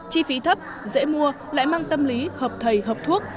chi phí thấp dễ mua lại mang tâm lý hợp thầy hợp thuốc